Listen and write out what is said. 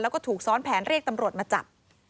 แล้วก็ถูกซ้อนแผนเรียกตำรวจมาจับ